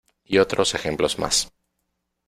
Y otros ejemplos más.